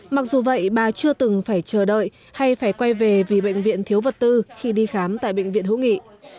mặc dù vậy bà chưa từng phải chờ đợi hay phải quay về vì bệnh viện thiếu vật tư khi đi khám tại bệnh viện hữu nghị